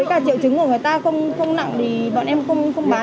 với cả triệu chứng của người ta không nặng thì bọn em không bán